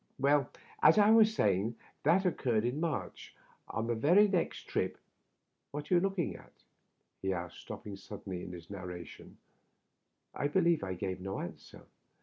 Well, as I was saying, that oc curred in March. On the very next trip — What are you looking at ?" he asked, stopping suddenly in his narration. I believe I gave no answer.